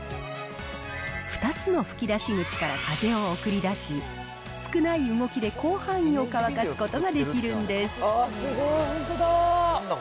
２つの吹き出し口から風を送り出し、少ない動きで広範囲を乾かすことができるんです。